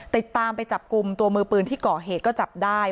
ติดตามไปจับกลุ่มตัวมือปืนที่ก่อเหตุก็จับได้